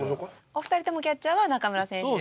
お二人ともキャッチャーは中村選手。